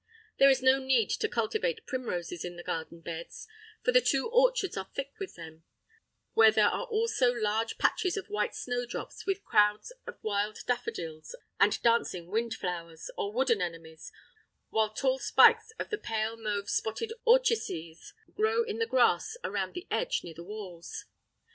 There is no need to cultivate primroses in the garden beds, for the two orchards are thick with them; where there are also large patches of wild snowdrops with crowds of wild daffodils, and dancing wind flowers—or wood anemones; while tall spikes of the pale mauve spotted orchises grow in the grass around the edge near the walls.